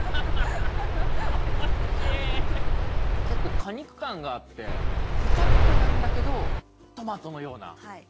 結構果肉感があってケチャップなんだけどトマトのような。